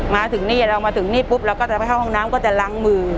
มาถึงนี่เรามาถึงนี่ปุ๊บเราก็จะไปเข้าห้องน้ำก็จะล้างมือ